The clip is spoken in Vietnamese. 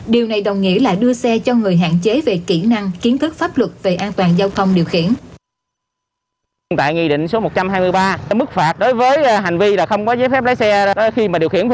điều này đồng nghĩa là đưa xe cho người hạn chế về kỹ năng kiến thức pháp luật về an toàn giao thông điều khiển